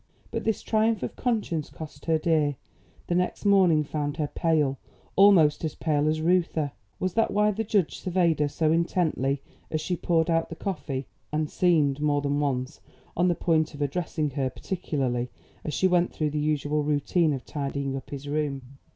But this triumph of conscience cost her dear. The next morning found her pale almost as pale as Reuther. Was that why the judge surveyed her so intently as she poured out the coffee, and seemed more than once on the point of addressing her particularly, as she went through the usual routine of tidying up his room?